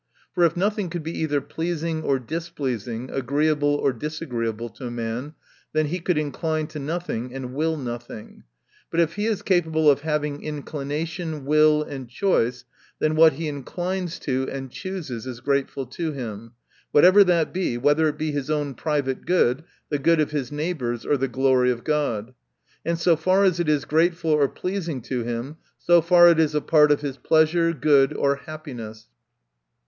For if nothing could be either pleasing or displeasing, agreeable or disagreeable to a man, then he could incline to nothing, and will nothing. But if he is capable of having inclination, will and choice, then what he inclines to, and chooses, is grateful to him ; whatever that be, whether it be his own private good, the good of his neighbors, or the glory of God. And so far as it is grateful or pleasing to him, so far it is a part of his pleasure, good, or hap piness.